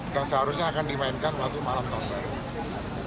yang seharusnya akan dimainkan waktu malam tahun baru